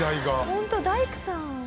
ホント大工さん。